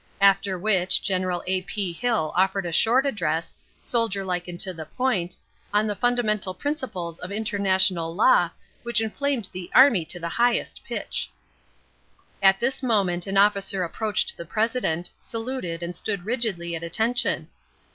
After which General A. P. Hill offered a short address, soldier like and to the point, on the fundamental principles of international law, which inflamed the army to the highest pitch. At this moment an officer approached the President, saluted and stood rigidly at attention.